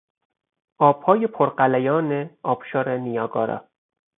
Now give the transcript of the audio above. آبهای پر غلیان آبشار نیاگارا